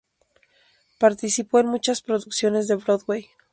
Participó en muchas producciones de Broadway.